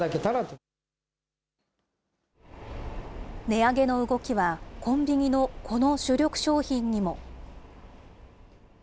値上げの動きは、コンビニのこの主力商品にも。